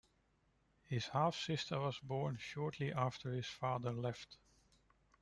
His half-sister was born shortly after his father left.